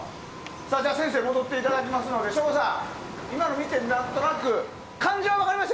じゃあ、先生に戻っていただきますので省吾さん、今のを見てなんとなく感じは分かりました？